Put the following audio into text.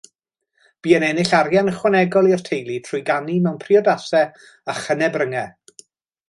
Bu yn ennill arian ychwanegol i'r teulu trwy ganu mewn priodasau a chynebryngau.